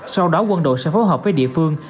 sau đó quân đội sẽ phối hợp với địa phương